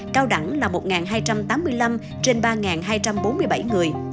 cao đẳng là một hai trăm tám mươi năm trên ba hai trăm bốn mươi bảy người